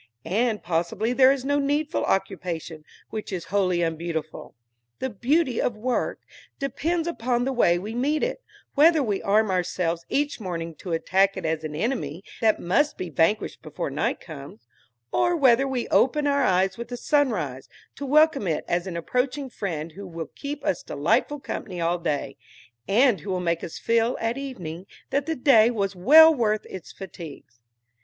And possibly there is no needful occupation which is wholly unbeautiful. The beauty of work depends upon the way we meet it whether we arm ourselves each morning to attack it as an enemy that must be vanquished before night comes, or whether we open our eyes with the sunrise to welcome it as an approaching friend who will keep us delightful company all day, and who will make us feel, at evening, that the day was well worth its fatigues.